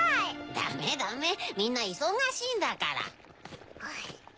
ダメダメみんないそがしいんだから。